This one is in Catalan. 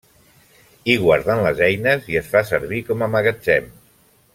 Hi guarden les eines i es fa servir com a magatzem.